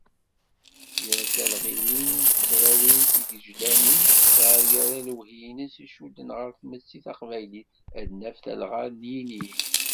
Gr talɣiwin n tezrawin tigejdanin iɣer yerra lewhi-ines i icudden ɣer tmetti taqbaylit, ad naf talɣa n yinig.